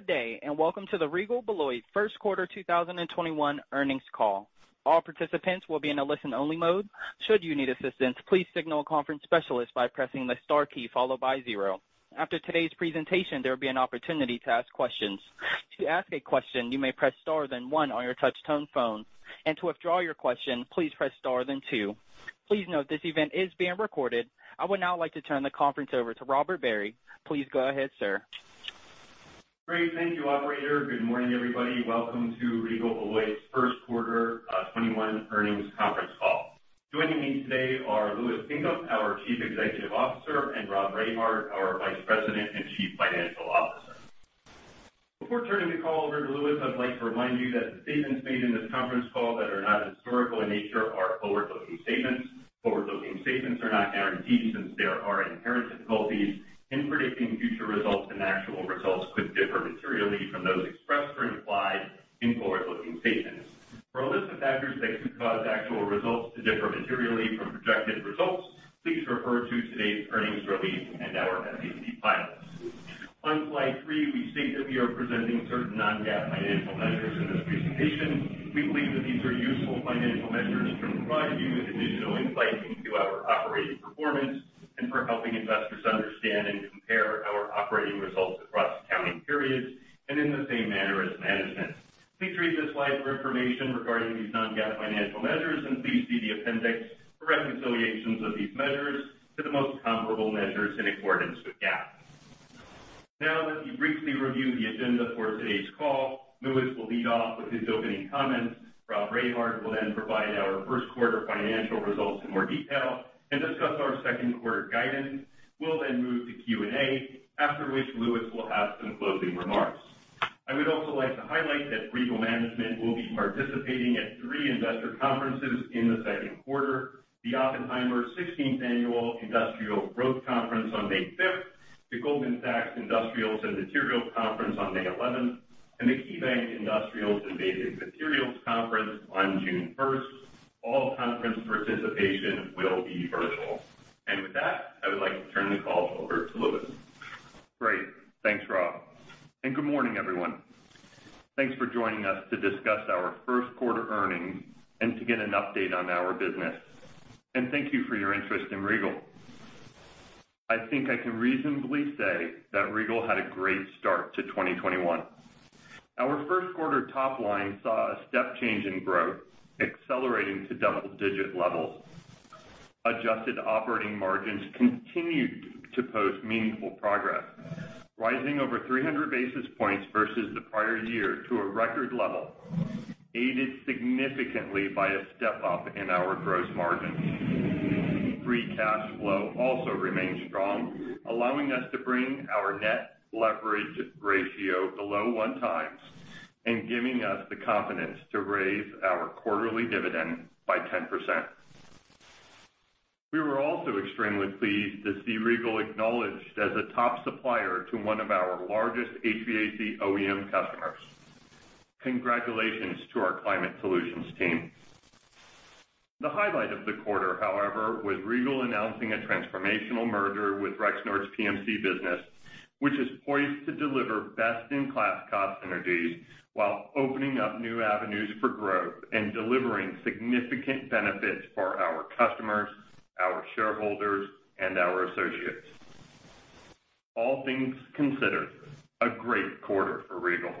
Good day, and welcome to the Regal Beloit first quarter 2021 earnings call. I would now like to turn the conference over to Robert Barry. Please go ahead, sir. Great. Thank you, operator. Good morning, everybody. Welcome to Regal Beloit's first quarter 2021 earnings conference call. Joining me today are Louis Pinkham, our Chief Executive Officer, and Rob Rehard, our Vice President and Chief Financial Officer. Before turning the call over to Louis, I'd like to remind you that the statements made in this conference call that are not historical in nature are forward-looking statements. Forward-looking statements are not guarantees since there are inherent difficulties in predicting future results, and actual results could differ materially from those expressed or implied in forward-looking statements. For a list of factors that could cause actual results to differ materially from projected results, please refer to today's earnings release and our SEC filings. On slide three, we state that we are presenting certain non-GAAP financial measures in this presentation. We believe that these are useful financial measures to provide you with additional insight into our operating performance and for helping investors understand and compare our operating results across accounting periods and in the same manner as management. Please read this slide for information regarding these non-GAAP financial measures, and please see the appendix for reconciliations of these measures to the most comparable measures in accordance with GAAP. Now let me briefly review the agenda for today's call. Louis will lead off with his opening comments. Rob Rehard will then provide our first quarter financial results in more detail and discuss our second quarter guidance. We'll then move to Q&A, after which Louis will have some closing remarks. I would also like to highlight that Regal management will be participating at three investor conferences in the second quarter, the Oppenheimer 16th Annual Industrial Growth Conference on May 5th, the Goldman Sachs Industrials and Materials Conference on May 11th, and the KeyBanc Industrials and Basic Materials Conference on June 1st. All conference participation will be virtual. With that, I would like to turn the call over to Louis. Great. Thanks, Rob. Good morning, everyone. Thanks for joining us to discuss our first quarter earnings and to get an update on our business. Thank you for your interest in Regal. I think I can reasonably say that Regal had a great start to 2021. Our first quarter top line saw a step change in growth, accelerating to double-digit levels. Adjusted operating margins continued to post meaningful progress, rising over 300 basis points versus the prior year to a record level, aided significantly by a step-up in our gross margins. Free cash flow also remained strong, allowing us to bring our net leverage ratio below one times and giving us the confidence to raise our quarterly dividend by 10%. We were also extremely pleased to see Regal acknowledged as a top supplier to one of our largest HVAC OEM customers. Congratulations to our climate solutions team. The highlight of the quarter, however, was Regal announcing a transformational merger with Rexnord's PMC business, which is poised to deliver best-in-class cost synergies while opening up new avenues for growth and delivering significant benefits for our customers, our shareholders, and our associates. All things considered, a great quarter for Regal.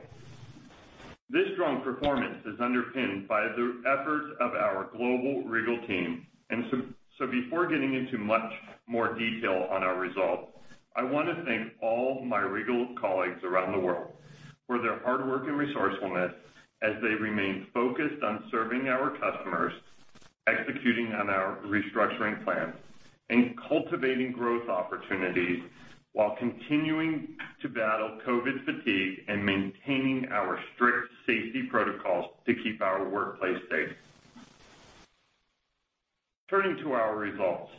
This strong performance is underpinned by the efforts of our global Regal team, and so before getting into much more detail on our results, I want to thank all my Regal colleagues around the world for their hard work and resourcefulness as they remain focused on serving our customers, executing on our restructuring plans, and cultivating growth opportunities while continuing to battle COVID fatigue and maintaining our strict safety protocols to keep our workplace safe. Turning to our results.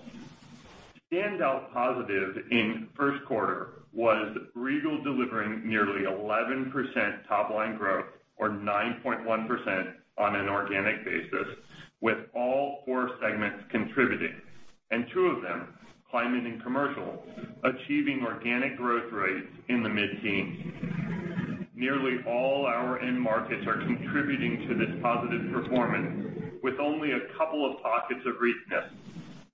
Standout positive in first quarter was Regal delivering nearly 11% top-line growth or 9.1% on an organic basis, with all four segments contributing, and two of them, climate and commercial, achieving organic growth rates in the mid-teens. Nearly all our end markets are contributing to this positive performance with only a couple of pockets of recess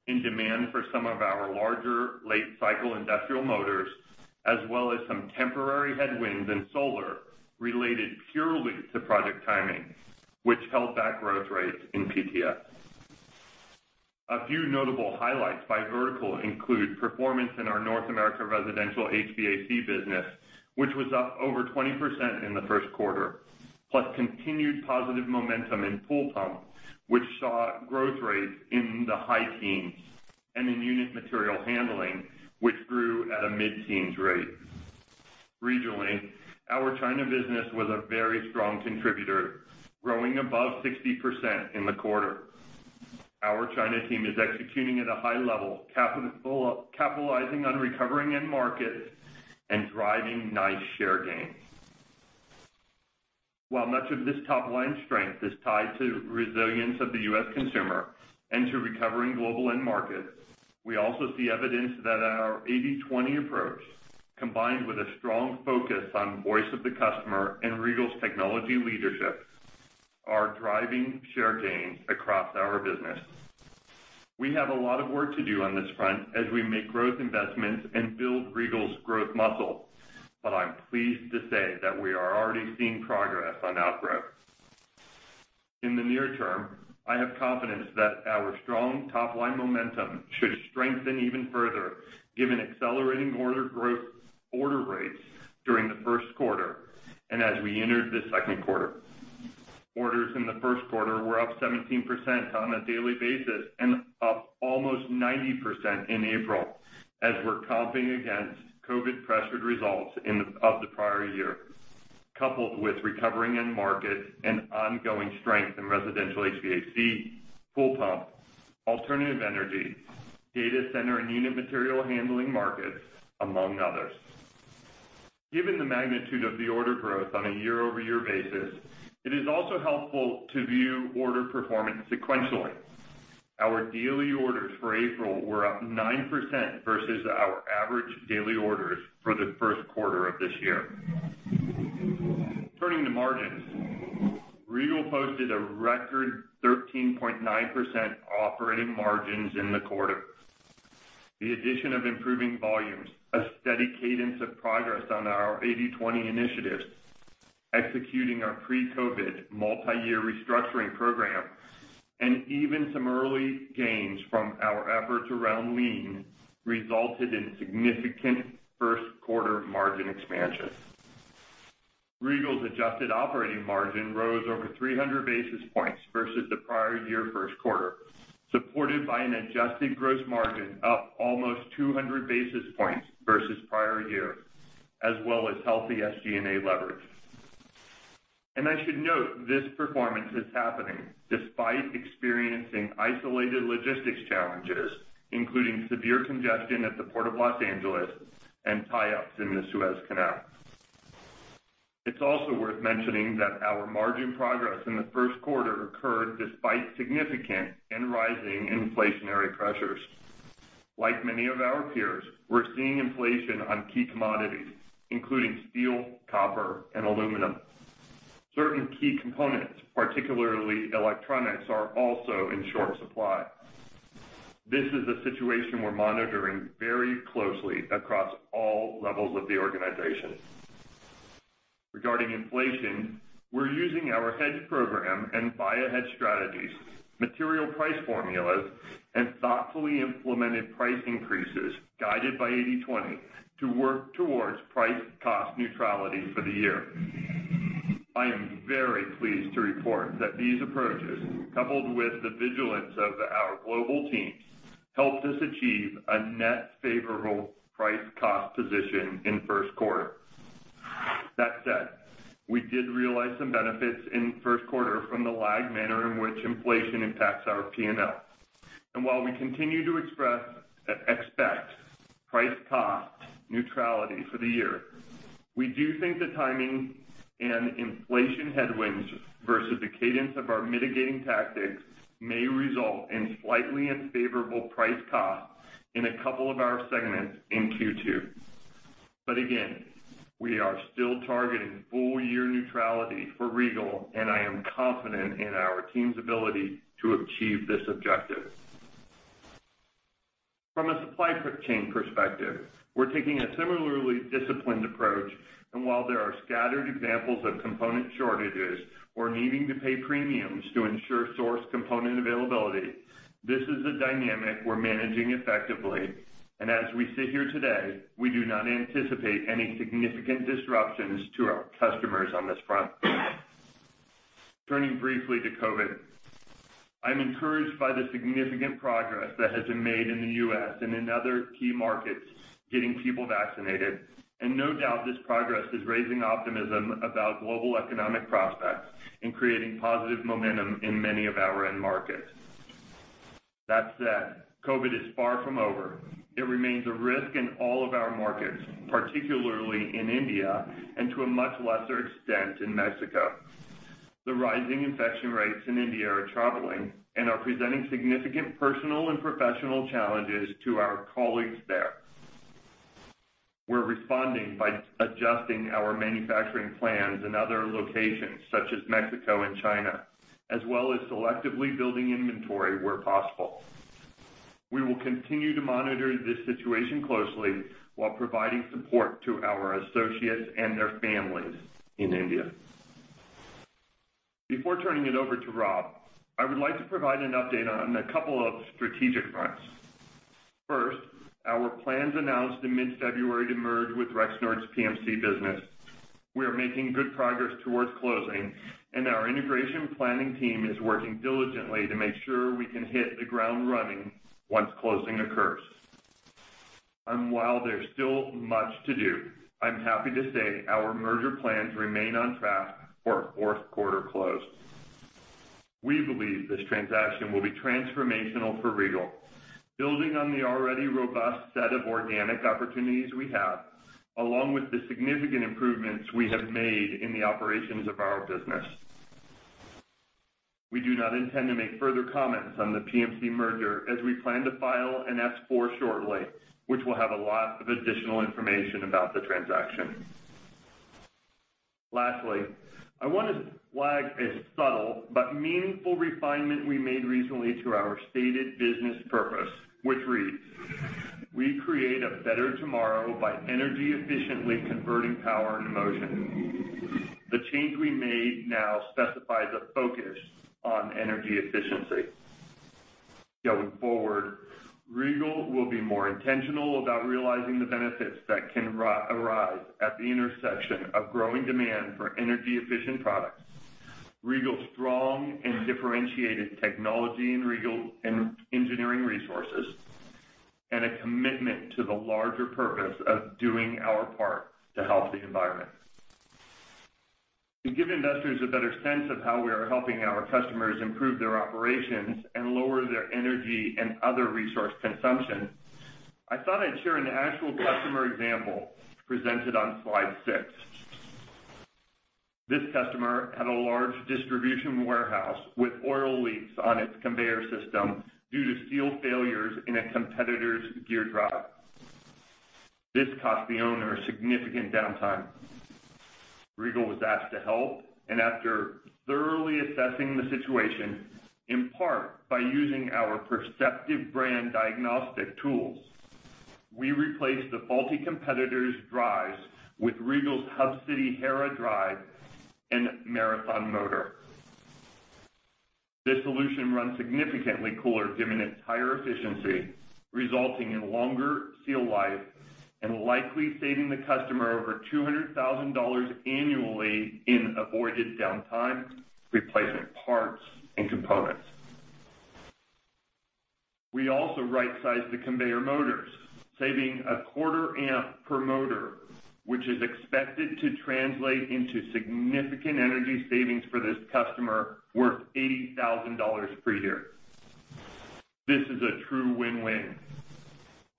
in demand for some of our larger late cycle industrial motors, as well as some temporary headwinds in solar related purely to project timing, which held back growth rates in PTS. A few notable highlights by vertical include performance in our North America residential HVAC business, which was up over 20% in the first quarter, plus continued positive momentum in pool pump, which saw growth rates in the high teens, and in unit material handling, which grew at a mid-teens rate. Regionally, our China business was a very strong contributor, growing above 60% in the quarter. Our China team is executing at a high level, capitalizing on recovering end markets and driving nice share gains. While much of this top-line strength is tied to resilience of the U.S. consumer and to recovering global end markets, we also see evidence that our 80/20 approach, combined with a strong focus on voice of the customer and Regal's technology leadership, are driving share gains across our business. We have a lot of work to do on this front as we make growth investments and build Regal's growth muscle. I'm pleased to say that we are already seeing progress on outgrowth. In the near term, I have confidence that our strong top-line momentum should strengthen even further given accelerating order growth, order rates during the first quarter, and as we entered the second quarter. Orders in the first quarter were up 17% on a daily basis and up almost 90% in April, as we're comping against COVID pressured results of the prior year, coupled with recovering end markets and ongoing strength in residential HVAC, pool pump, alternative energy, data center and unit material handling markets, among others. Given the magnitude of the order growth on a year-over-year basis, it is also helpful to view order performance sequentially. Our daily orders for April were up 9% versus our average daily orders for the first quarter of this year. Turning to margins. Regal posted a record 13.9% operating margins in the quarter. The addition of improving volumes, a steady cadence of progress on our 80/20 initiatives, executing our pre-COVID multi-year restructuring program, and even some early gains from our efforts around lean resulted in significant first quarter margin expansion. Regal's adjusted operating margin rose over 300 basis points versus the prior year first quarter, supported by an adjusted gross margin up almost 200 basis points versus prior year, as well as healthy SG&A leverage. I should note, this performance is happening despite experiencing isolated logistics challenges, including severe congestion at the Port of Los Angeles and tie-ups in the Suez Canal. It's also worth mentioning that our margin progress in the first quarter occurred despite significant and rising inflationary pressures. Like many of our peers, we're seeing inflation on key commodities, including steel, copper, and aluminum. Certain key components, particularly electronics, are also in short supply. This is a situation we're monitoring very closely across all levels of the organization. Regarding inflation, we're using our hedge program and buy ahead strategies, material price formulas, and thoughtfully implemented price increases guided by 80/20 to work towards price cost neutrality for the year. I am very pleased to report that these approaches, coupled with the vigilance of our global teams, helped us achieve a net favorable price cost position in first quarter. That said, we did realize some benefits in first quarter from the lagged manner in which inflation impacts our P&L. While we continue to expect price cost neutrality for the year, we do think the timing and inflation headwinds versus the cadence of our mitigating tactics may result in slightly unfavorable price costs in a couple of our segments in Q2. Again, we are still targeting full year neutrality for Regal, and I am confident in our team's ability to achieve this objective. From a supply chain perspective, we're taking a similarly disciplined approach, and while there are scattered examples of component shortages or needing to pay premiums to ensure source component availability, this is a dynamic we're managing effectively, and as we sit here today, we do not anticipate any significant disruptions to our customers on this front. Turning briefly to COVID. I'm encouraged by the significant progress that has been made in the U.S. and in other key markets, getting people vaccinated. No doubt this progress is raising optimism about global economic prospects in creating positive momentum in many of our end markets. That said, COVID is far from over. It remains a risk in all of our markets, particularly in India and to a much lesser extent, in Mexico. The rising infection rates in India are troubling and are presenting significant personal and professional challenges to our colleagues there. We're responding by adjusting our manufacturing plans in other locations such as Mexico and China, as well as selectively building inventory where possible. We will continue to monitor this situation closely while providing support to our associates and their families in India. Before turning it over to Rob, I would like to provide an update on a couple of strategic fronts. First, our plans announced in mid-February to merge with Rexnord's PMC business. We are making good progress towards closing, and our integration planning team is working diligently to make sure we can hit the ground running once closing occurs. While there's still much to do, I'm happy to say our merger plans remain on track for a fourth quarter close. We believe this transaction will be transformational for Regal. Building on the already robust set of organic opportunities we have, along with the significant improvements we have made in the operations of our business. We do not intend to make further comments on the PMC merger as we plan to file an S-4 shortly, which will have a lot of additional information about the transaction. I want to flag a subtle but meaningful refinement we made recently to our stated business purpose, which reads: "We create a better tomorrow by energy-efficiently converting power into motion." The change we made now specifies a focus on energy efficiency. Going forward, Regal will be more intentional about realizing the benefits that can arise at the intersection of growing demand for energy-efficient products, Regal's strong and differentiated technology and engineering resources, and a commitment to the larger purpose of doing our part to help the environment. To give investors a better sense of how we are helping our customers improve their operations and lower their energy and other resource consumption, I thought I'd share an actual customer example presented on slide six. This customer had a large distribution warehouse with oil leaks on its conveyor system due to seal failures in a competitor's gear drive. This cost the owner significant downtime. Regal was asked to help, and after thoroughly assessing the situation, in part by using our Perceptiv brand diagnostic tools, we replaced the faulty competitor's drives with Regal's Hub City HERA drive and Marathon Motor. This solution runs significantly cooler given its higher efficiency, resulting in longer seal life and likely saving the customer over $200,000 annually in avoided downtime, replacement parts, and components. We also right-sized the conveyor motors, saving a quarter amp per motor, which is expected to translate into significant energy savings for this customer worth $80,000 per year. This is a true win-win,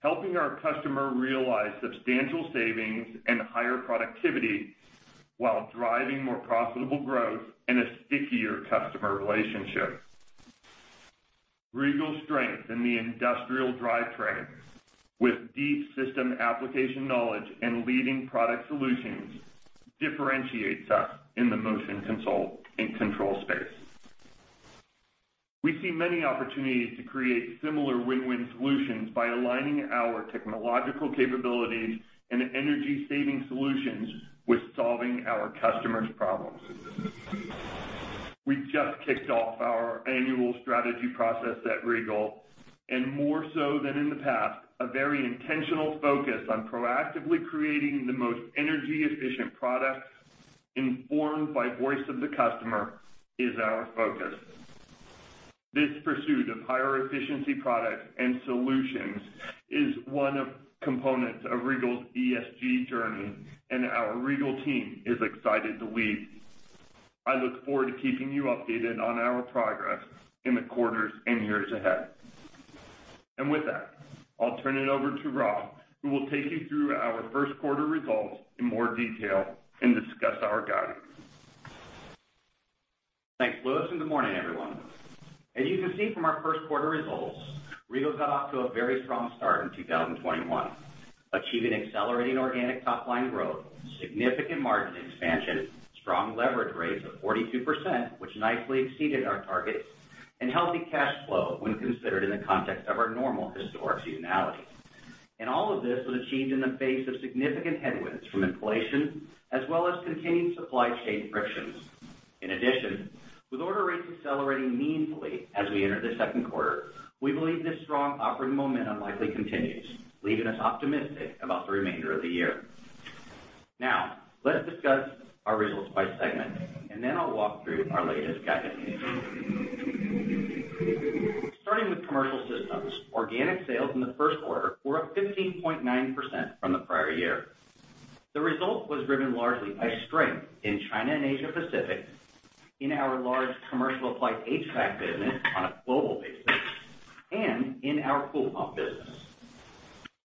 helping our customer realize substantial savings and higher productivity while driving more profitable growth and a stickier customer relationship. Regal's strength in the industrial drive train with deep system application knowledge and leading product solutions differentiates us in the motion control space. We see many opportunities to create similar win-win solutions by aligning our technological capabilities and energy-saving solutions with solving our customers' problems. We just kicked off our annual strategy process at Regal, and more so than in the past, a very intentional focus on proactively creating the most energy-efficient products informed by voice of the customer is our focus. This pursuit of higher efficiency products and solutions is one of the components of Regal's ESG journey. Our Regal team is excited to lead. I look forward to keeping you updated on our progress in the quarters and years ahead. With that, I'll turn it over to Rob, who will take you through our first quarter results in more detail and discuss our guidance. Thanks, Louis, good morning, everyone. As you can see from our first quarter results, Regal got off to a very strong start in 2021. Achieving accelerating organic top-line growth, significant margin expansion, strong leverage rates of 42%, which nicely exceeded our targets, and healthy cash flow when considered in the context of our normal historic seasonality. All of this was achieved in the face of significant headwinds from inflation, as well as continued supply chain frictions. In addition, with order rates accelerating meaningfully as we enter the second quarter, we believe this strong operating momentum likely continues, leaving us optimistic about the remainder of the year. Now, let's discuss our results by segment, and then I'll walk through our latest guidance. Starting with commercial systems, organic sales in the first quarter were up 15.9% from the prior year. The result was driven largely by strength in China and Asia Pacific in our large commercial applied HVAC business on a global basis and in our pool pump business.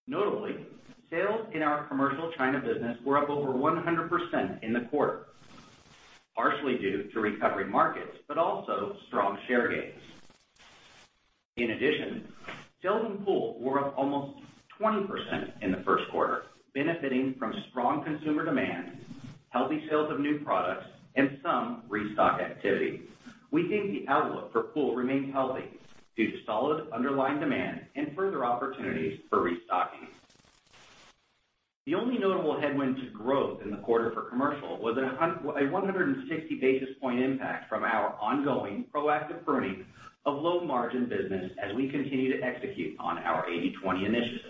Notably, sales in our commercial China business were up over 100% in the quarter, partially due to recovering markets, but also strong share gains. In addition, sales in pool were up almost 20% in the first quarter, benefiting from strong consumer demand, healthy sales of new products, and some restock activity. We think the outlook for pool remains healthy due to solid underlying demand and further opportunities for restocking. The only notable headwind to growth in the quarter for commercial was a 160 basis point impact from our ongoing proactive pruning of low-margin business as we continue to execute on our 80/20 initiatives.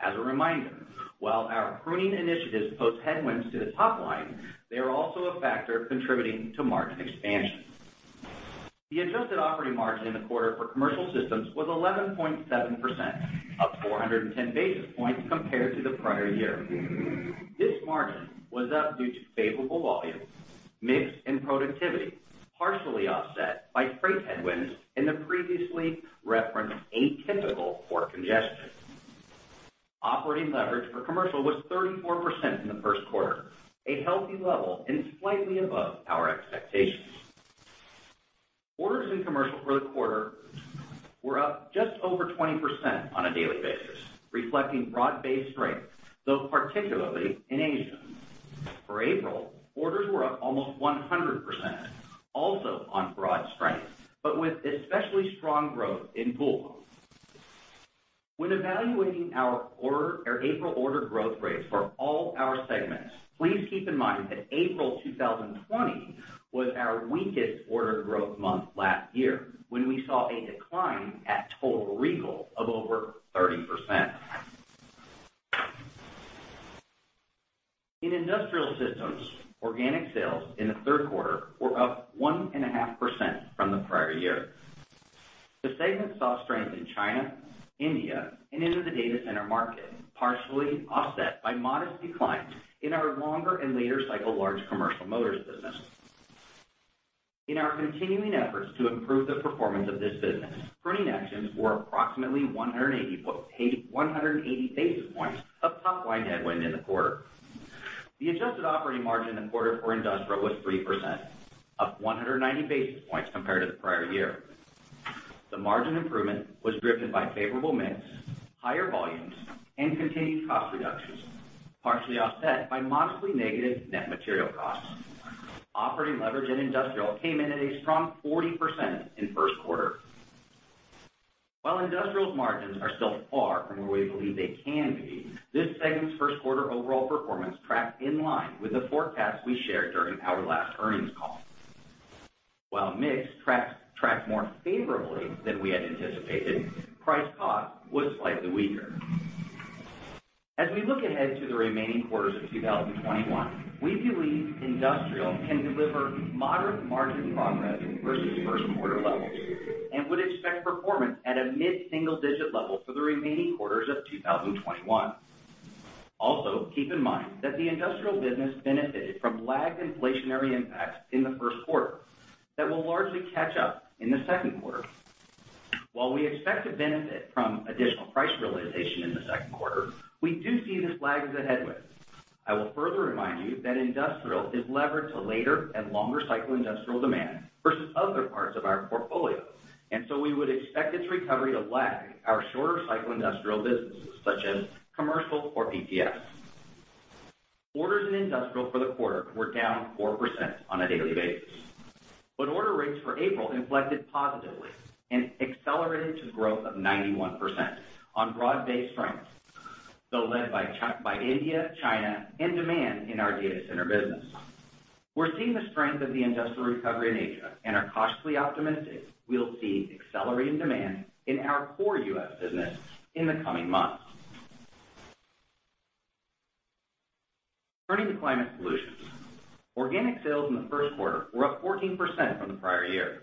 As a reminder, while our pruning initiatives pose headwinds to the top line, they are also a factor contributing to margin expansion. The adjusted operating margin in the quarter for commercial systems was 11.7%, up 410 basis points compared to the prior year. This margin was up due to favorable volumes, mix and productivity partially offset by freight headwinds in the previously referenced atypical port congestion. Operating leverage for commercial was 34% in the first quarter, a healthy level and slightly above our expectations. Orders in commercial for the quarter were up just over 20% on a daily basis, reflecting broad-based strength, though particularly in Asia. For April, orders were up almost 100%, also on broad strength, but with especially strong growth in pool. When evaluating our April order growth rates for all our segments, please keep in mind that April 2020 was our weakest order growth month last year, when we saw a decline at total Regal of over 30%. In industrial systems, organic sales in the third quarter were up 1.5% from the prior year. The segment saw strength in China, India, and into the data center market, partially offset by modest declines in our longer and later cycle large commercial motors business. In our continuing efforts to improve the performance of this business, pruning actions were approximately 180 basis points of top-line headwind in the quarter. The adjusted operating margin in the quarter for industrial systems was 3%, up 190 basis points compared to the prior year. The margin improvement was driven by favorable mix, higher volumes, and continued cost reductions, partially offset by modestly negative net material costs. Operating leverage in industrial came in at a strong 40% in the first quarter. While industrial's margins are still far from where we believe they can be, this segment's first quarter overall performance tracked in line with the forecast we shared during our last earnings call. While mix tracked more favorably than we had anticipated, price cost was slightly weaker. As we look ahead to the remaining quarters of 2021, we believe industrial can deliver moderate margin progress versus first quarter levels and would expect performance at a mid-single-digit level for the remaining quarters of 2021. Keep in mind that the industrial business benefited from lagged inflationary impacts in the first quarter that will largely catch up in the second quarter. While we expect to benefit from additional price realization in the second quarter, we do see this lag as a headwind. I will further remind you that industrial is levered to later and longer cycle industrial demand versus other parts of our portfolio, and so we would expect its recovery to lag our shorter cycle industrial businesses such as commercial or PTS. Orders in industrial for the quarter were down 4% on a daily basis. Order rates for April inflected positively and accelerated to growth of 91% on broad-based strength, though led by India, China, and demand in our data center business. We're seeing the strength of the industrial recovery in Asia and are cautiously optimistic we'll see accelerating demand in our core U.S. business in the coming months. Turning to climate solutions. Organic sales in the first quarter were up 14% from the prior year.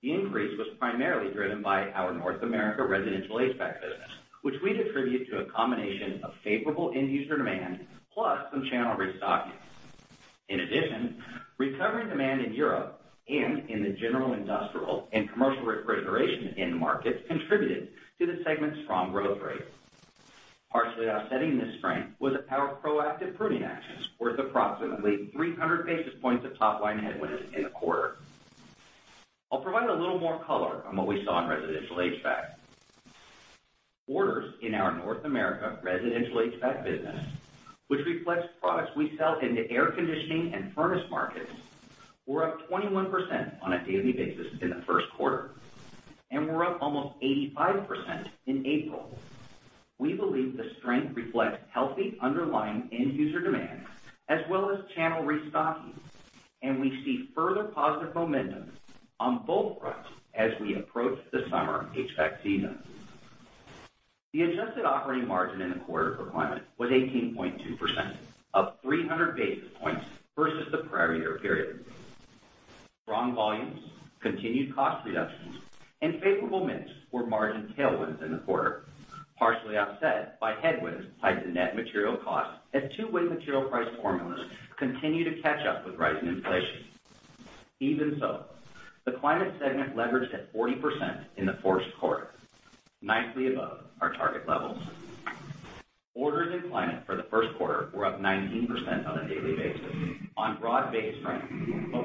The increase was primarily driven by our North America residential HVAC business, which we attribute to a combination of favorable end-user demand plus some channel restocking. Recovering demand in Europe and in the general industrial and commercial refrigeration end markets contributed to the segment's strong growth rate. Partially offsetting this strength was our proactive pruning actions worth approximately 300 basis points of top-line headwind in the quarter. I'll provide a little more color on what we saw in residential HVAC. Orders in our North America residential HVAC business, which reflects products we sell in the air conditioning and furnace markets, were up 21% on a daily basis in the first quarter, and were up almost 85% in April. We believe the strength reflects healthy underlying end-user demand as well as channel restocking, and we see further positive momentum on both fronts as we approach the summer HVAC season. The adjusted operating margin in the quarter for climate was 18.2%, up 300 basis points versus the prior year period. Strong volumes, continued cost reductions, and favorable mix were margin tailwinds in the quarter, partially offset by headwinds tied to net material costs as two-way material price formulas continue to catch up with rising inflation. Even so, the climate segment leveraged at 40% in the first quarter, nicely above our target levels. Orders in climate for the first quarter were up 19% on a daily basis on broad-based strength,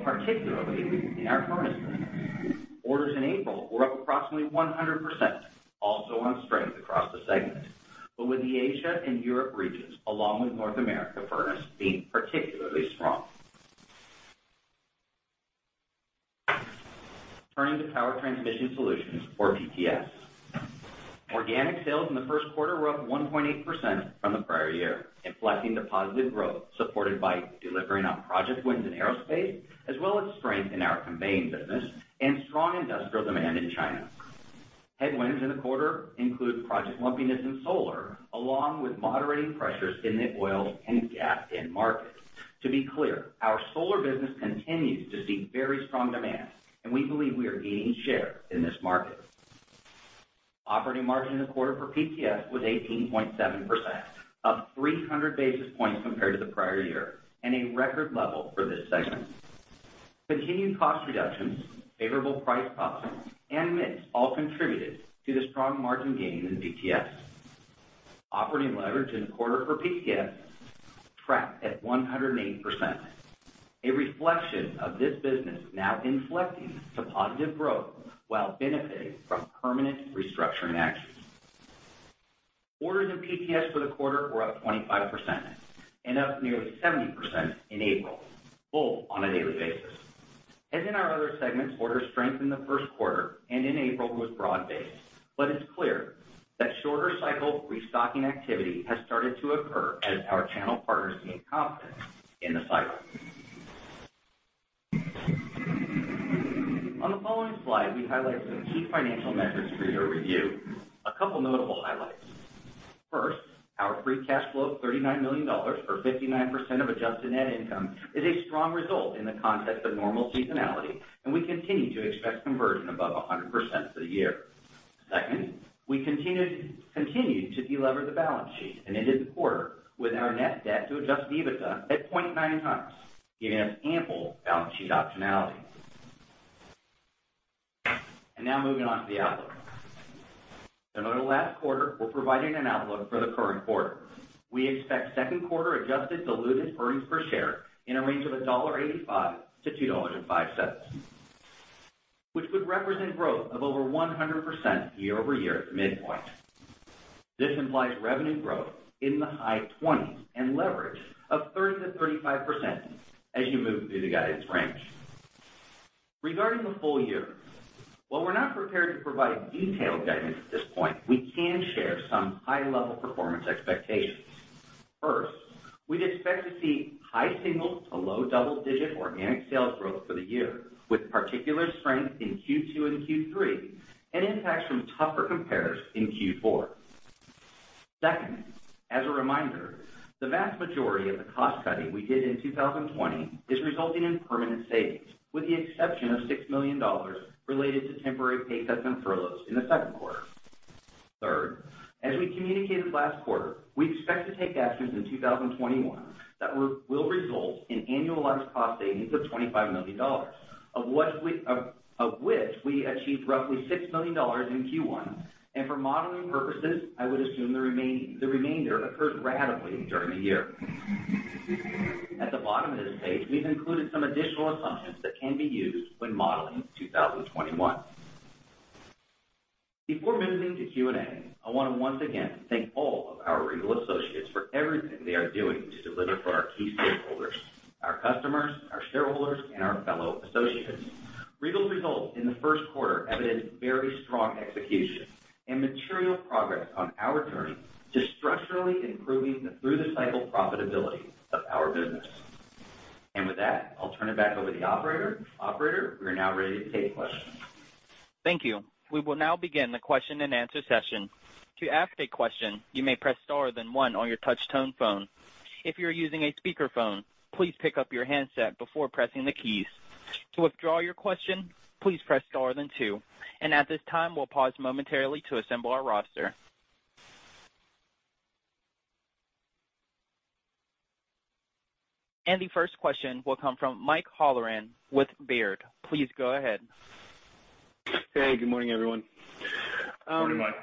particularly in our furnace business. Orders in April were up approximately 100%, also on strength across the segment, with the Asia and Europe regions, along with North America furnace being particularly strong. Turning to power transmission solutions, or PTS. Organic sales in the first quarter were up 1.8% from the prior year, reflecting the positive growth supported by delivering on project wins in aerospace, as well as strength in our conveying business and strong industrial demand in China. Headwinds in the quarter include project lumpiness in solar, along with moderating pressures in the oil and gas end markets. To be clear, our solar business continues to see very strong demand, and we believe we are gaining share in this market. Operating margin in the quarter for PTS was 18.7%, up 300 basis points compared to the prior year, and a record level for this segment. Continued cost reductions, favorable price costs, and mix all contributed to the strong margin gain in the PTS. Operating leverage in the quarter for PTS tracked at 108%, a reflection of this business now inflecting to positive growth while benefiting from permanent restructuring actions. Orders in PTS for the quarter were up 25% and up nearly 70% in April, both on a daily basis. As in our other segments, order strength in the first quarter and in April was broad-based, but it's clear that shorter cycle restocking activity has started to occur as our channel partners gain confidence in the cycle. On the following slide, we highlight some key financial metrics for your review. A couple notable highlights. First, our free cash flow of $39 million, or 59% of adjusted net income, is a strong result in the context of normal seasonality, and we continue to expect conversion above 100% for the year. Second, we continued to de-lever the balance sheet and ended the quarter with our net debt to adjusted EBITDA at 0.9x, giving us ample balance sheet optionality. Now moving on to the outlook. Similar to last quarter, we're providing an outlook for the current quarter. We expect second quarter adjusted diluted earnings per share in a range of $1.85-$2.05, which would represent growth of over 100% year-over-year at the midpoint. This implies revenue growth in the high 20%s and leverage of 30%-35% as you move through the guidance range. Regarding the full year, while we're not prepared to provide detailed guidance at this point, we can share some high-level performance expectations. First, we'd expect to see high single to low double-digit organic sales growth for the year, with particular strength in Q2 and Q3 and impacts from tougher compares in Q4. As a reminder, the vast majority of the cost cutting we did in 2020 is resulting in permanent savings, with the exception of $6 million related to temporary pay cuts and furloughs in the second quarter. As we communicated last quarter, we expect to take actions in 2021 that will result in annualized cost savings of $25 million, of which we achieved roughly $6 million in Q1. For modeling purposes, I would assume the remainder occurred ratably during the year. At the bottom of this page, we've included some additional assumptions that can be used when modeling 2021. Before moving to Q&A, I want to once again thank all of our Regal associates for everything they are doing to deliver for our key stakeholders, our customers, our shareholders, and our fellow associates. Regal's results in the first quarter evidenced very strong execution and material progress on our journey to structurally improving the through-the-cycle profitability of our business. With that, I'll turn it back over to the operator. Operator, we are now ready to take questions. Thank you. We will now begin the question-and-answer session. To ask a question, you may press star then one on your touch tone phone. If you are using a speakerphone, please pick up your handset before pressing the keys. To withdraw your question, please press star then two. At this time, we'll pause momentarily to assemble our roster. The first question will come from Mike Halloran with Baird. Please go ahead. Hey, good morning, everyone. Morning, Mike.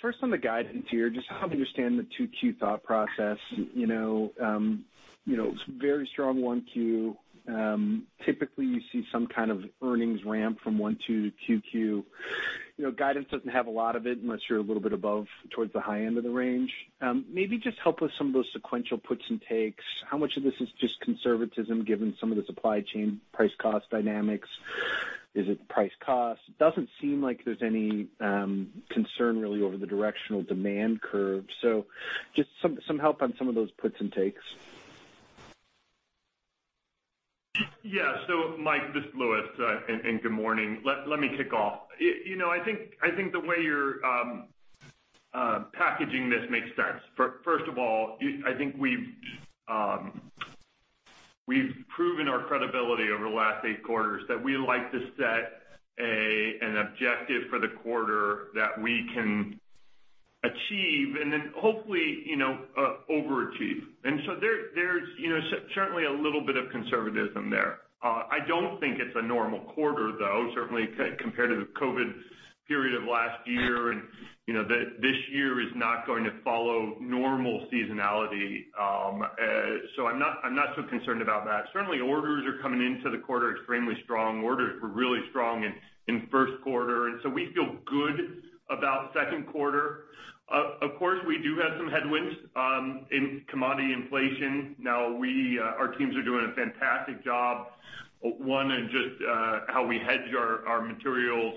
First on the guidance here, just help understand the 2Q thought process. Very strong 1Q. Typically, you see some kind of earnings ramp from 1Q to 2Q. Guidance doesn't have a lot of it unless you're a little bit above towards the high end of the range. Maybe just help with some of those sequential puts and takes. How much of this is just conservatism given some of the supply chain price cost dynamics? Is it price cost? Doesn't seem like there's any concern really over the directional demand curve. Just some help on some of those puts and takes. Yeah. Mike, this is Louis, and good morning. Let me kick off. I think the way you're packaging this makes sense. First of all, I think we've proven our credibility over the last eight quarters that we like to set an objective for the quarter that we can achieve and then hopefully overachieve. There's certainly a little bit of conservatism there. I don't think it's a normal quarter, though, certainly compared to the COVID period of last year. This year is not going to follow normal seasonality. I'm not so concerned about that. Certainly, orders are coming into the quarter extremely strong. Orders were really strong in first quarter, we feel good about second quarter. Of course, we do have some headwinds in commodity inflation. Our teams are doing a fantastic job, one, in just how we hedge our materials.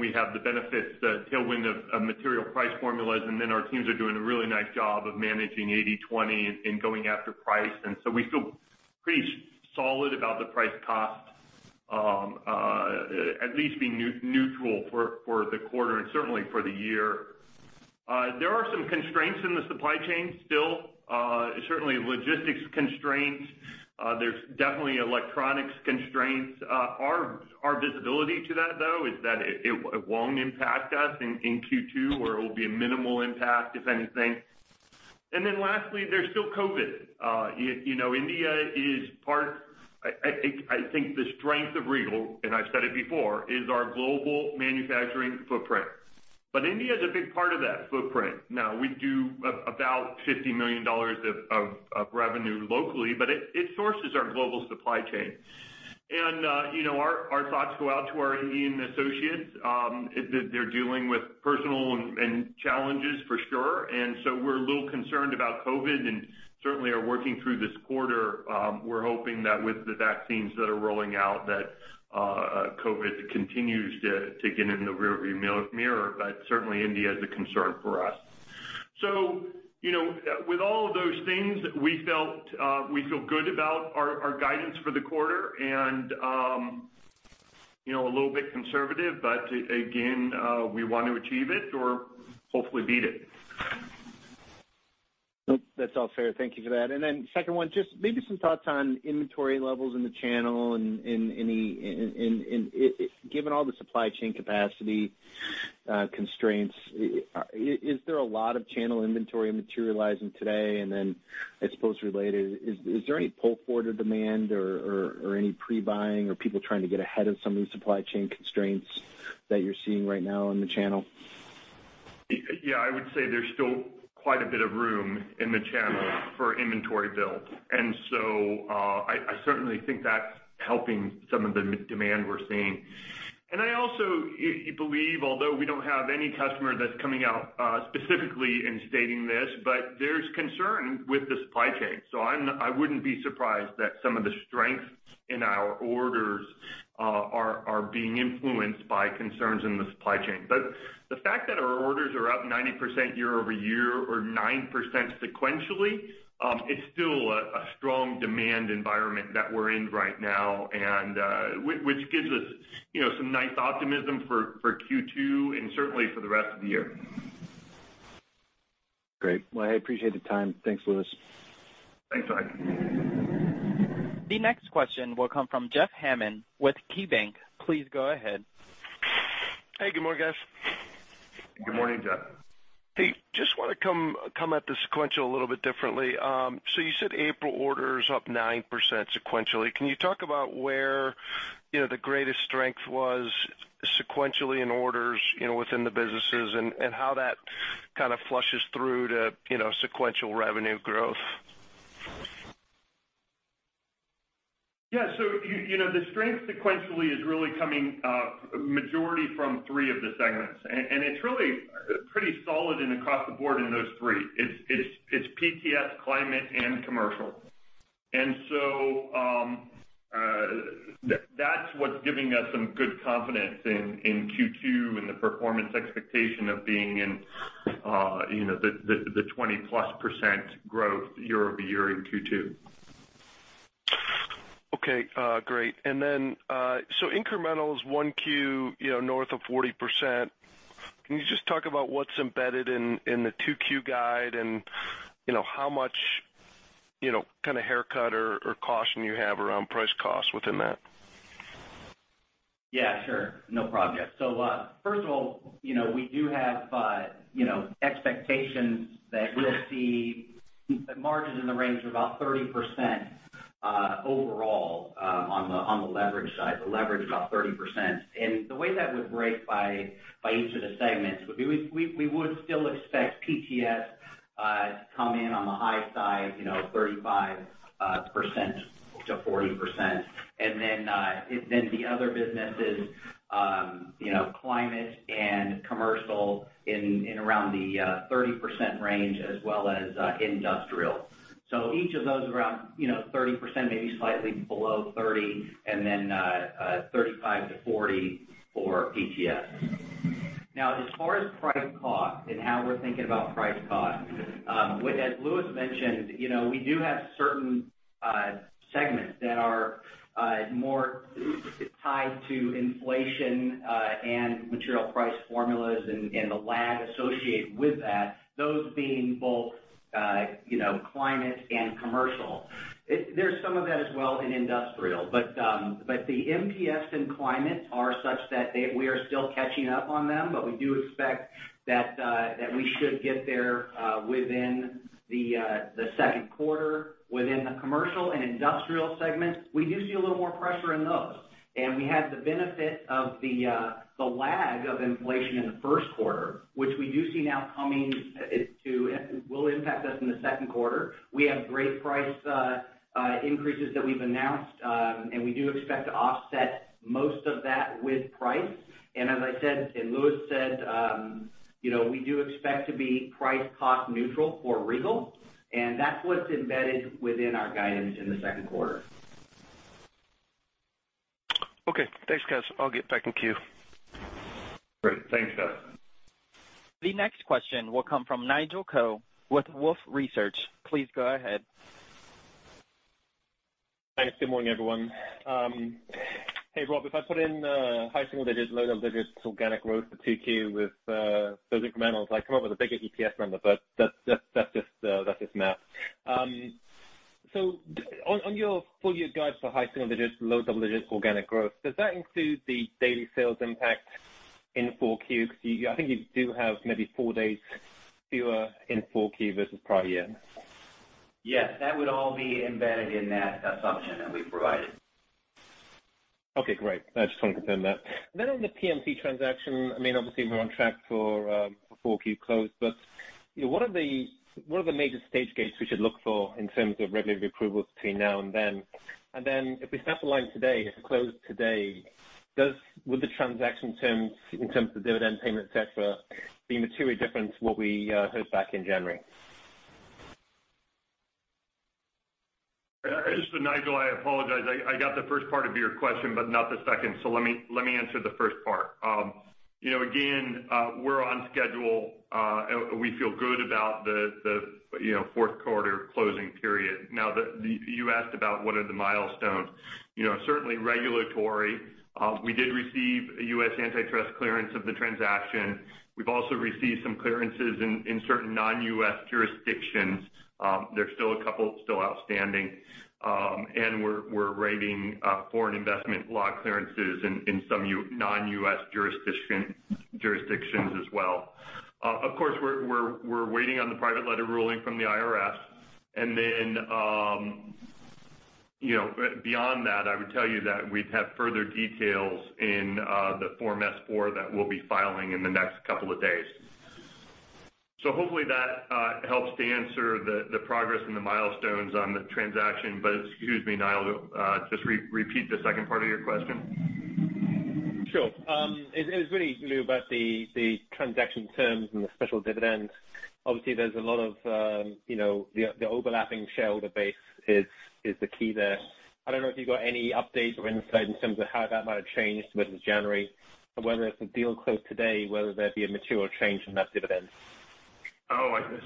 We have the benefits, the tailwind of material price formulas, our teams are doing a really nice job of managing 80/20 and going after price. We feel pretty solid about the price cost at least being neutral for the quarter and certainly for the year. There are some constraints in the supply chain still. Certainly logistics constraints. There's definitely electronics constraints. Our visibility to that, though, is that it won't impact us in Q2, or it will be a minimal impact, if anything. Lastly, there's still COVID. I think the strength of Regal, and I've said it before, is our global manufacturing footprint. India is a big part of that footprint. Now we do about $50 million of revenue locally, but it sources our global supply chain. Our thoughts go out to our Indian associates. They're dealing with personal and challenges for sure. We're a little concerned about COVID and certainly are working through this quarter. We're hoping that with the vaccines that are rolling out, that COVID continues to get in the rear view mirror. Certainly India is a concern for us. With all of those things, we feel good about our guidance for the quarter and a little bit conservative, but again, we want to achieve it or hopefully beat it. That's all fair. Thank you for that. Second one, just maybe some thoughts on inventory levels in the channel and given all the supply chain capacity constraints, is there a lot of channel inventory materializing today? I suppose related, is there any pull forward demand or any pre-buying or people trying to get ahead of some of the supply chain constraints that you're seeing right now in the channel? Yeah, I would say there's still quite a bit of room in the channel for inventory build. I certainly think that's helping some of the demand we're seeing. I also believe, although we don't have any customer that's coming out specifically and stating this, but there's concern with the supply chain. I wouldn't be surprised that some of the strength in our orders are being influenced by concerns in the supply chain. The fact that our orders are up 90% year-over-year or 9% sequentially, it's still a strong demand environment that we're in right now. Which gives us some nice optimism for Q2 and certainly for the rest of the year. Great. Well, I appreciate the time. Thanks, Louis. Thanks, Mike. The next question will come from Jeff Hammond with KeyBanc. Please go ahead. Hey, good morning, guys. Good morning, Jeff. Hey, just want to come at the sequential a little bit differently. You said April orders up 9% sequentially. Can you talk about where the greatest strength was sequentially in orders within the businesses and how that kind of flushes through to sequential revenue growth? Yeah. The strength sequentially is really coming majority from three of the segments, and it's really pretty solid and across the board in those three. It's PTS, climate, and commercial. That's what's giving us some good confidence in Q2 and the performance expectation of being in the 20%+ growth year-over-year in Q2. Okay. Great. Incremental is 1Q north of 40%. Can you just talk about what's embedded in the 2Q guide and how much kind of haircut or caution you have around price cost within that? Yeah, sure. No problem. First of all, we do have expectations that we'll see margins in the range of about 30% overall on the leverage side. The leverage is about 30%. The way that would break by each of the segments, we would still expect PTS to come in on the high side, 35%-40%. The other businesses, climate and commercial in around the 30% range as well as industrial. Each of those around 30%, maybe slightly below 30%, and then 35%-40% for PTS. As far as price cost and how we're thinking about price cost, as Louis mentioned, we do have certain segments that are more tied to inflation and material price formulas and the lag associated with that. Those being both climate and commercial. There's some of that as well in industrial, but the MPS and climate are such that we are still catching up on them. We do expect that we should get there within the second quarter. Within the commercial and industrial segments, we do see a little more pressure in those, and we had the benefit of the lag of inflation in the first quarter, which we do see now will impact us in the second quarter. We have great price increases that we've announced. We do expect to offset most of that with price. As I said, and Louis said, we do expect to be price cost neutral for Regal, and that's what's embedded within our guidance in the second quarter. Okay. Thanks, guys. I'll get back in queue. Great. Thanks, Jeff. The next question will come from Nigel Coe with Wolfe Research. Please go ahead. Thanks. Good morning, everyone. Hey, Rob, if I put in high single digits, low double digits organic growth for 2Q with those incrementals, I come up with a bigger EPS number, but that's just math. On your full year guide for high single digits, low double digits organic growth, does that include the daily sales impact in 4Q? Because I think you do have maybe four days fewer in 4Q versus prior year. Yes, that would all be embedded in that assumption that we provided. Okay, great. I just wanted to confirm that. On the PMC transaction, obviously we're on track for 4Q close, but what are the major stage gates we should look for in terms of regulatory approvals between now and then? If we snap a line today, if it closed today, would the transaction terms in terms of dividend payment, et cetera, be materially different to what we heard back in January? Nigel, I apologize. I got the first part of your question, but not the second. Let me answer the first part. Again, we're on schedule. We feel good about the fourth quarter closing period. Now, you asked about what are the milestones. Certainly regulatory. We did receive U.S. antitrust clearance of the transaction. We've also received some clearances in certain non-U.S. jurisdictions. There's still a couple still outstanding. We're awaiting foreign investment law clearances in some non-U.S. jurisdictions as well. Of course, we're waiting on the private letter ruling from the IRS. Then, beyond that, I would tell you that we'd have further details in the Form S-4 that we'll be filing in the next couple of days. Hopefully that helps to answer the progress and the milestones on the transaction. Excuse me, Nigel, just repeat the second part of your question. Sure. It was really, Lou, about the transaction terms and the special dividends. Obviously, there's a lot of the overlapping shareholder base is the key there. I don't know if you've got any updates or insight in terms of how that might have changed since January, or whether if the deal closed today, whether there'd be a material change from that dividend. Oh, I see.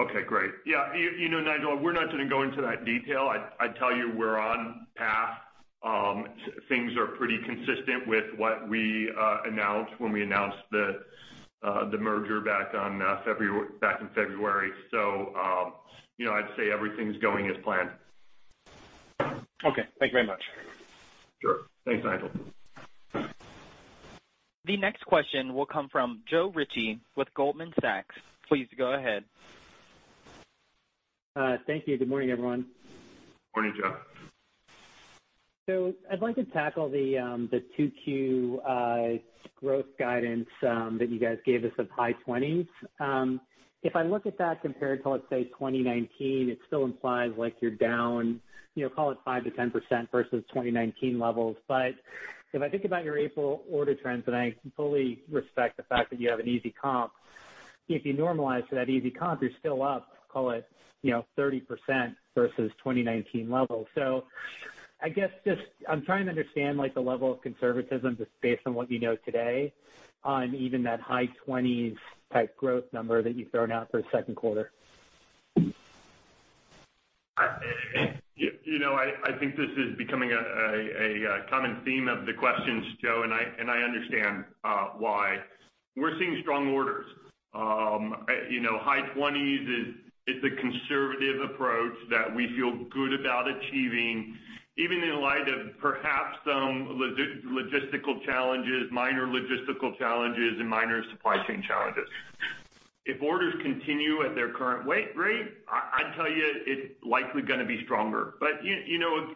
Okay, great. Yeah, Nigel, we're not going to go into that detail. I'd tell you we're on path. Things are pretty consistent with what we announced when we announced the merger back in February. I'd say everything's going as planned. Okay. Thank you very much. Sure. Thanks, Nigel. The next question will come from Joe Ritchie with Goldman Sachs. Please go ahead. Thank you. Good morning, everyone. Morning, Joe. I'd like to tackle the 2Q growth guidance that you guys gave us of high 20%s. If I look at that compared to, let's say 2019, it still implies like you're down, call it 5%-10% versus 2019 levels. If I think about your April order trends, and I fully respect the fact that you have an easy comp, if you normalize to that easy comp, you're still up, call it, 30% versus 2019 levels. I guess just I'm trying to understand the level of conservatism just based on what you know today on even that high 20%s type growth number that you've thrown out for second quarter. I think this is becoming a common theme of the questions, Joe, and I understand why. We're seeing strong orders. High 20%s is a conservative approach that we feel good about achieving, even in light of perhaps some logistical challenges, minor logistical challenges, and minor supply chain challenges. If orders continue at their current rate, I'd tell you it's likely gonna be stronger.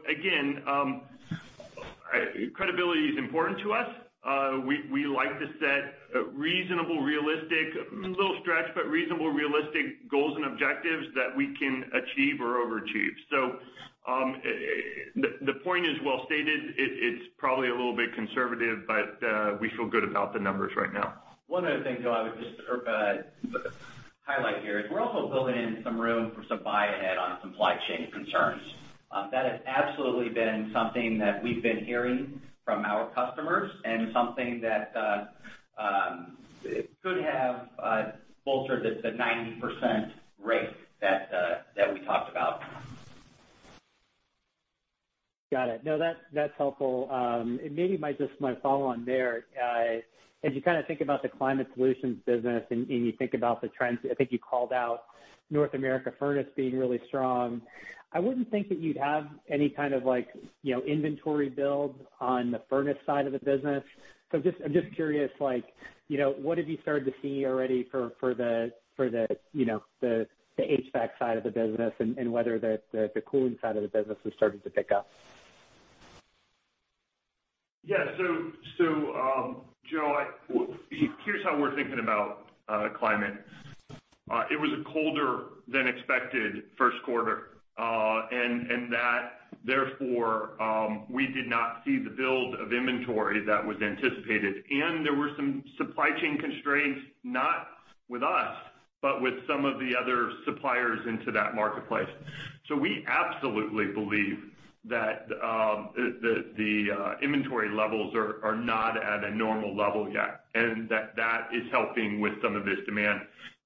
Again, credibility is important to us. We like to set reasonable, realistic, little stretched, but reasonable, realistic goals and objectives that we can achieve or overachieve. The point is well stated. It's probably a little bit conservative, but we feel good about the numbers right now. One other thing, Joe, I would just highlight here is we're also building in some room for some buy-ahead on supply chain concerns. That has absolutely been something that we've been hearing from our customers and something that could have bolstered the 90% rate that we talked about. Got it. No, that's helpful. Maybe just my follow on there. As you think about the climate solutions business and you think about the trends, I think you called out North America furnace being really strong. I wouldn't think that you'd have any kind of inventory build on the furnace side of the business. I'm just curious, what have you started to see already for the HVAC side of the business and whether the cooling side of the business has started to pick up? Yeah. Joe, here's how we're thinking about climate. It was a colder-than-expected first quarter, therefore, we did not see the build of inventory that was anticipated, there were some supply chain constraints, not with us, but with some of the other suppliers into that marketplace. We absolutely believe The inventory levels are not at a normal level yet, that is helping with some of this demand.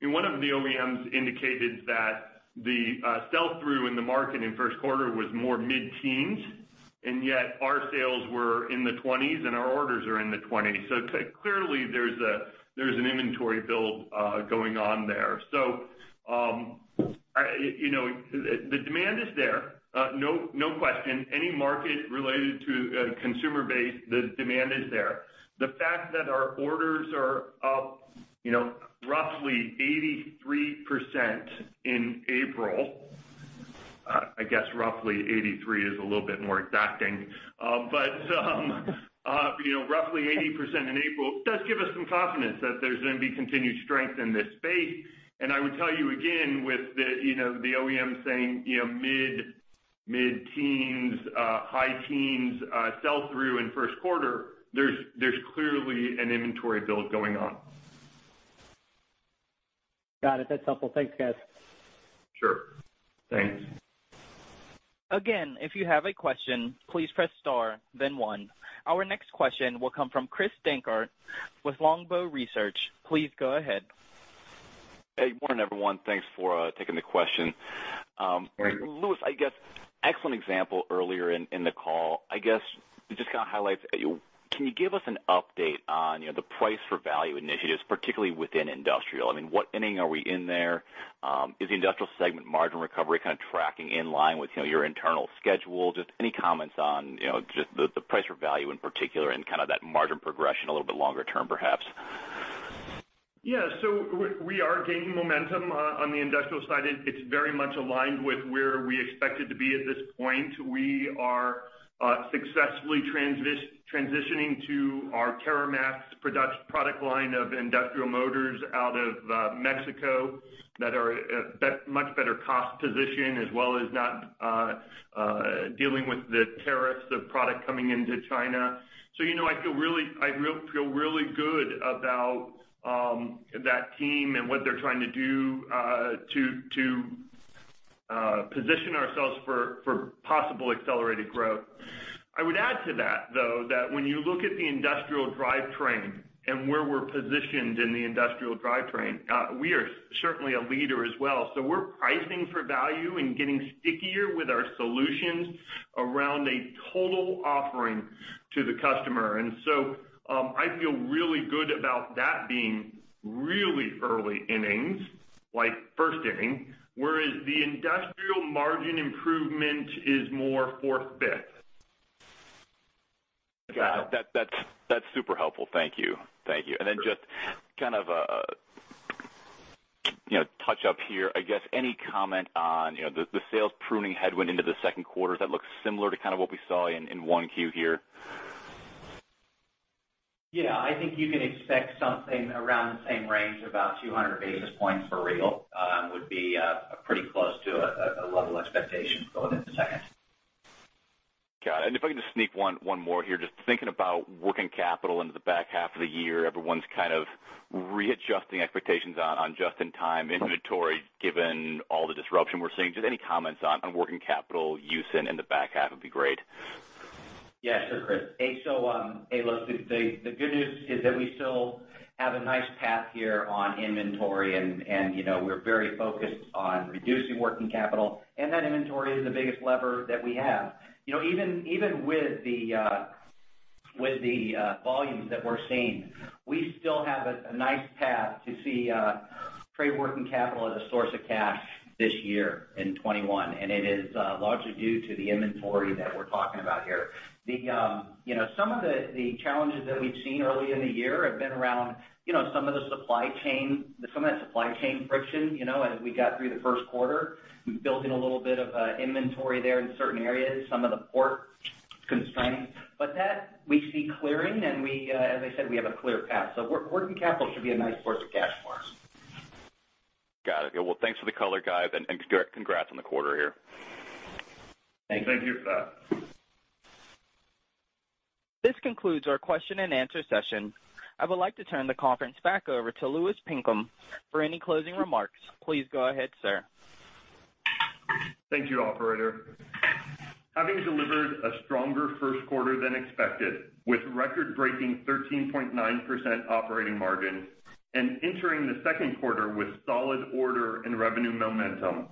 One of the OEMs indicated that the sell-through in the market in first quarter was more mid-teens, yet our sales were in the 20%s, our orders are in the 20%s. Clearly there's an inventory build going on there. The demand is there, no question. Any market related to consumer base, the demand is there. The fact that our orders are up roughly 83% in April, I guess roughly 83% is a little bit more exacting. Roughly 80% in April does give us some confidence that there's going to be continued strength in this space. I would tell you again with the OEM saying mid-teens, high teens sell-through in first quarter, there's clearly an inventory build going on. Got it. That's helpful. Thanks, guys. Sure. Thanks. If you have a question, please press star then one. Our next question will come from Chris Dankert with Longbow Research. Please go ahead. Hey, good morning, everyone. Thanks for taking the question. Sure. Louis, excellent example earlier in the call. Just to highlight, can you give us an update on the price for value initiatives, particularly within industrial? What inning are we in there? Is the industrial segment margin recovery tracking in line with your internal schedule? Any comments on the price for value in particular and that margin progression a little bit longer term, perhaps. Yeah. We are gaining momentum on the industrial side. It's very much aligned with where we expected to be at this point. We are successfully transitioning to our TerraMAX product line of industrial motors out of Mexico that are much better cost position, as well as not dealing with the tariffs of product coming into China. I feel really good about that team and what they're trying to do to position ourselves for possible accelerated growth. I would add to that, though, that when you look at the industrial drivetrain and where we're positioned in the industrial drivetrain, we are certainly a leader as well. We're pricing for value and getting stickier with our solutions around a total offering to the customer. I feel really good about that being really early innings, like first inning, whereas the industrial margin improvement is more fourth, fifth. Got it. That's super helpful. Thank you. Sure. Just kind of a touch-up here, I guess any comment on the sales pruning headwind into the second quarter that looks similar to kind of what we saw in 1Q here? Yeah. I think you can expect something around the same range, about 200 basis points for Regal would be pretty close to a level expectation going into second. Got it. If I can just sneak one more here. Just thinking about working capital into the back half of the year, everyone's kind of readjusting expectations on just-in-time inventory, given all the disruption we're seeing. Just any comments on working capital use in the back half would be great. Yeah, sure, Chris. The good news is that we still have a nice path here on inventory, and we're very focused on reducing working capital, and that inventory is the biggest lever that we have. Even with the volumes that we're seeing, we still have a nice path to see trade working capital as a source of cash this year in 2021. It is largely due to the inventory that we're talking about here. Some of the challenges that we've seen early in the year have been around some of the supply chain friction. As we got through the first quarter, we've built in a little bit of inventory there in certain areas, some of the port constraints. That we see clearing, as I said, we have a clear path. Working capital should be a nice source of cash for us. Got it. Well, thanks for the color, guys, and congrats on the quarter here. Thank you for that. This concludes our question and answer session. I would like to turn the conference back over to Louis Pinkham for any closing remarks. Please go ahead, sir. Thank you, operator. Having delivered a stronger first quarter than expected with record-breaking 13.9% operating margin and entering the second quarter with solid order and revenue momentum,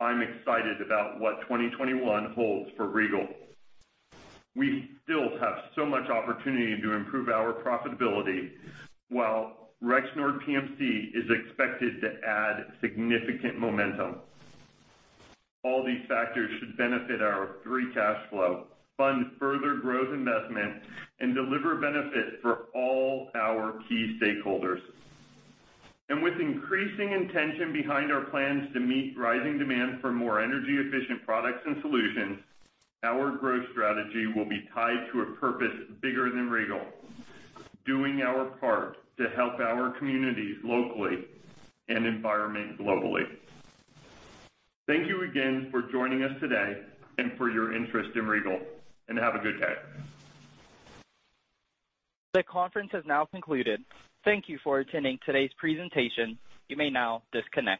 I'm excited about what 2021 holds for Regal. We still have so much opportunity to improve our profitability, while Rexnord PMC is expected to add significant momentum. All these factors should benefit our free cash flow, fund further growth investment, and deliver benefit for all our key stakeholders. With increasing intention behind our plans to meet rising demand for more energy-efficient products and solutions, our growth strategy will be tied to a purpose bigger than Regal, doing our part to help our communities locally and environment globally. Thank you again for joining us today and for your interest in Regal, and have a good day. The conference has now concluded. Thank you for attending today's presentation. You may now disconnect.